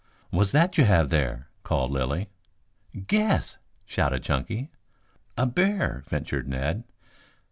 "What's that you have there?" called Lilly. "Guess," shouted Chunky. "A bear," ventured Ned.